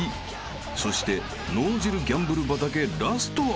［そして脳汁ギャンブル畑ラストは］